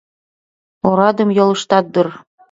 — Орадым ойлыштат дыр...